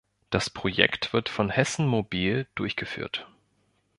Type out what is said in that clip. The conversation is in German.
Das Projekt wird von Hessen Mobil durchgeführt.